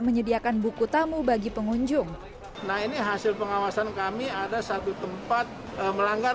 menyediakan buku tamu bagi pengunjung nah ini hasil pengawasan kami ada satu tempat melanggar